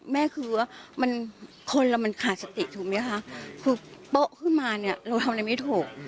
แม่คือว่ามันคนเรามันขาดสติถูกไหมคะคือโป๊ะขึ้นมาเนี่ยเราทำอะไรไม่ถูก